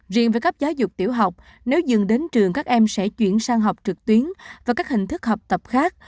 riêng với cấp giáo dục tiểu học nếu dừng đến trường các em sẽ chuyển sang học trực tuyến và các hình thức học tập khác